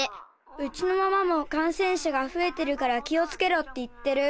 うちのママもかんせんしゃがふえてるから気をつけろって言ってる。